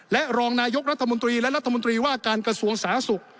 และรองนายกรัฐมนตรีและรัฐมนตรีว่าการกระทรวงสาธารณสุข